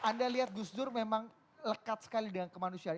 anda lihat gus dur memang lekat sekali dengan kemanusiaan